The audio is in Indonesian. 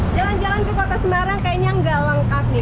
jalan jalan ke kota semarang kayaknya nggak lengkap nih